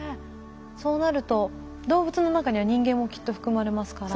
そうなると動物の中には人間もきっと含まれますから。